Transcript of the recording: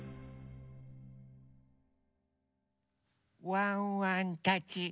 ワンワンたち。